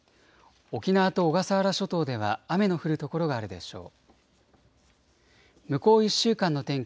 沖縄と小笠原諸島では雨の降る所があるでしょう。